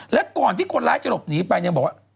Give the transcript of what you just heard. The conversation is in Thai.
และก่อนที่คนร้ายจะหลบหนีไปเนี่ยบอกว่า